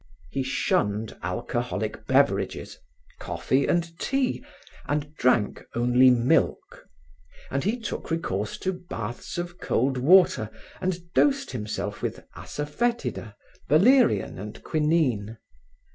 He shunned alcoholic beverages, coffee and tea, and drank only milk. And he took recourse to baths of cold water and dosed himself with assafoetida, valerian and quinine.